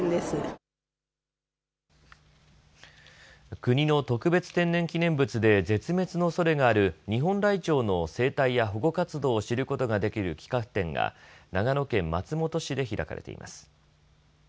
国の特別天然記念物で絶滅のおそれがあるニホンライチョウの生態や保護活動を知ることができる企画展が長野県松本市で開かれています。